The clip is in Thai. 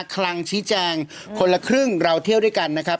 คลังชี้แจงคนละครึ่งเราเที่ยวด้วยกันนะครับ